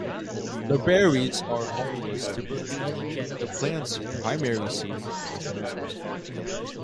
The berries are harmless to birds, the plants' primary seed dispersers.